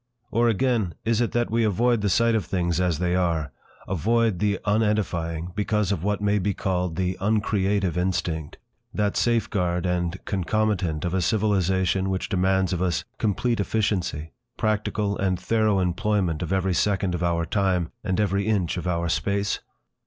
Or, again, is it that we avoid the sight of things as they are, avoid the unedifying, because of what may be called "the uncreative instinct," that safeguard and concomitant of a civilisation which demands of us complete efficiency, practical and thorough employment of every second of our time and every inch of our space?